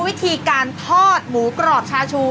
วิธีการทอดหมูกรอบชาชู